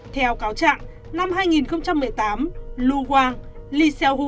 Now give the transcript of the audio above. theo cáo trạng năm hai nghìn một mươi tám lu wang li xiao hu